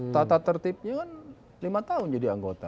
tata tertibnya kan lima tahun jadi anggota